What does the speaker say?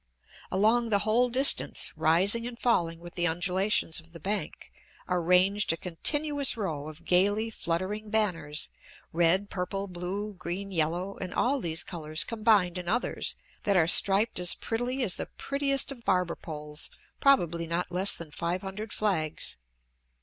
Along the whole distance, rising and falling with the undulations of the bank, are ranged a continuous row of gayly fluttering banners red, purple, blue, green, yellow, and all these colors combined in others that are striped as prettily as the prettiest of barber poles probably not less than five hundred flags.